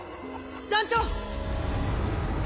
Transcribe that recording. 団長！